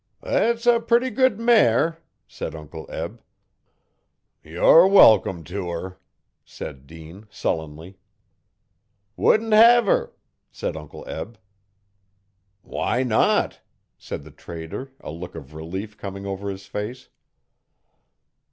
'Thet's a putty good mare,' said Uncle Eb. 'Yer welcome to her,' said Dean sullenly. 'Wouldn't hev her,' said Uncle Eb. 'Why not?' said the trader a look of relief coming over his face.